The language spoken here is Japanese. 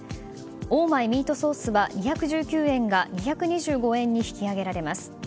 オーマイミートソースは２１９円が２２５円に引き上げられます。